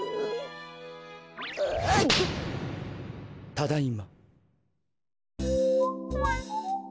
ただいま。